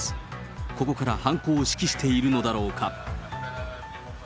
ここから犯行を指揮しているのだろうか。